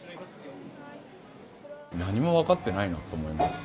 何も分かってないなと思います。